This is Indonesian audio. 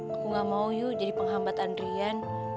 aku gak mau yuk jadi penghambat andrian